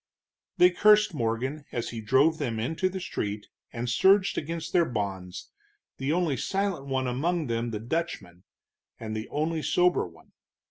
They cursed Morgan as he drove them into the street, and surged against their bonds, the only silent one among them the Dutchman, and the only sober one.